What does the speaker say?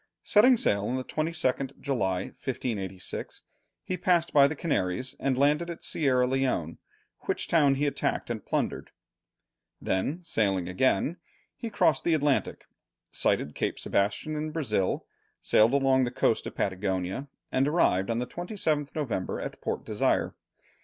Setting sail on the 22nd July, 1586, he passed by the Canaries, and landed at Sierra Leone, which town he attacked and plundered; then, sailing again, he crossed the Atlantic, sighted Cape Sebastian in Brazil, sailed along the coast of Patagonia, and arrived on the 27th November at Port Desire.